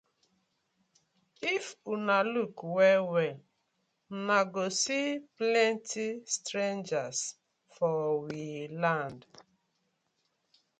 If una luuk well well uno go see plenty strangers for we land.